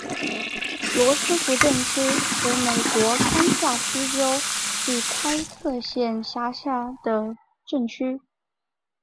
罗斯福镇区为美国堪萨斯州第开特县辖下的镇区。